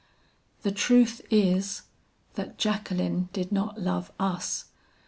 The truth is, that Jacqueline did not love us.